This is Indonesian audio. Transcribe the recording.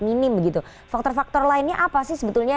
minim faktor faktor lainnya apa